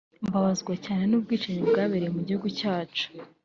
Mbabazwa cyane n’ubwicanyi bwabaye mu gihugu cyacu